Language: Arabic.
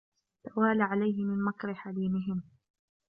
تَوَالَى عَلَيْهِ مِنْ مَكْرِ حَلِيمِهِمْ